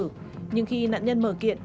nhưng khi nạn nhân mở kiện